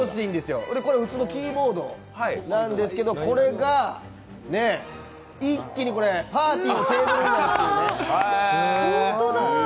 これ、普通のキーボードなんですけど、これが一気にパーティーのテーブルになるというね。